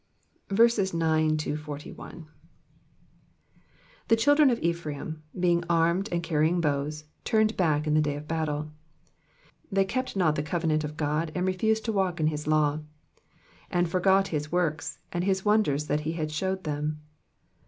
9 The children of Ephraim, being armed, and carrying bows, turned back in the day of battle. 10 They kept not the covenant of God, and refused to walk in his law ; 1 1 And forgat his works, and his wonders that he had shewed them.